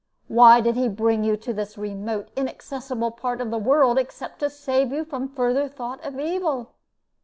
Why did he bring you to this remote, inaccessible part of the world except to save you from further thought of evil?